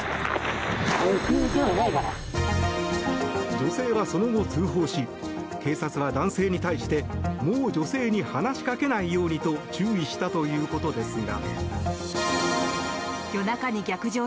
女性は、その後通報し警察は男性に対してもう女性に話しかけないようにと注意したということですが。